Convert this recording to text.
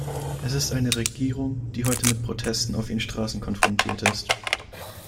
Es ist eine Regierung, die heute mit Protesten auf ihren Straßen konfrontiert ist.